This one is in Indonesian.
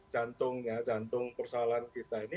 jantungnya jantung persoalan kita ini